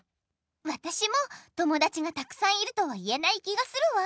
わたしも友だちがたくさんいるとはいえない気がするわ。